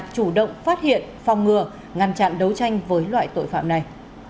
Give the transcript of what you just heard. chủ động phát hiện phòng ngừa ngăn chặn đấu tranh với loại tội phạm này